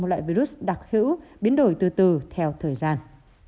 một loại virus đặc hữu biến đổi từ từ theo thời gian